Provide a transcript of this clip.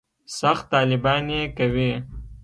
سخت طالبان یې کوي.